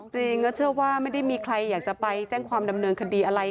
จริงแล้วเชื่อว่าไม่ได้มีใครอยากจะไปแจ้งความดำเนินคดีอะไร